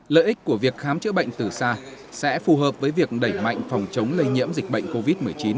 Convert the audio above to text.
lợi ích của việc khám chữa bệnh từ xa sẽ phù hợp với việc đẩy mạnh phòng chống lây nhiễm dịch bệnh covid một mươi chín